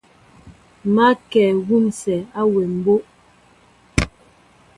Ma kɛ wusɛ awem mbóʼ.